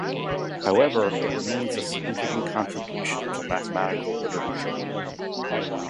However, it remains a significant contribution to mathematical literature.